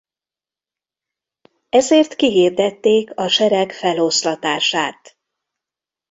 Ezért kihirdették a sereg feloszlatását.